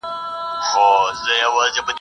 که دا مېنه د « امان » وه د تیارو لمن ټولیږي !.